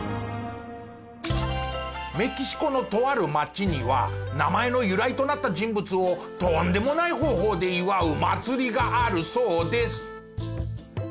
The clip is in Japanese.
メキシコのとある町には名前の由来となった人物をとんでもない方法で祝う祭りがあるそうです。